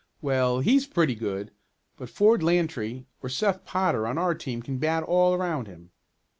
"Well, he's pretty good, but Ford Lantry or Seth Potter on our team can bat all around him."